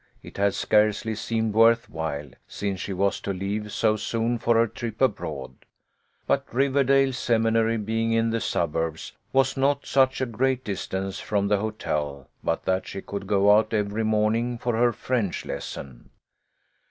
It had scarcely seemed worth while, since she was to leave so soon for her trip abroad. But Riverdale Seminary, being in the suburbs, was not such a great distance from the hotel but that she could go out every morning for her French lesson.